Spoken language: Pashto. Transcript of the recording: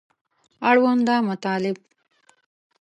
اړونده مطالب